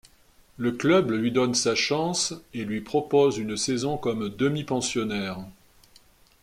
Le club lui donne sa chance et lui propose une saison comme demi-pensionnaire.